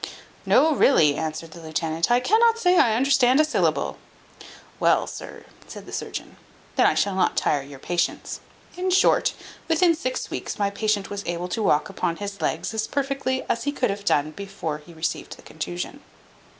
"No, really," answered the lieutenant, "I cannot say I understand a syllable." "Well, sir," said the surgeon, "then I shall not tire your patience; in short, within six weeks my patient was able to walk upon his legs as perfectly as he could have done before he received the contusion."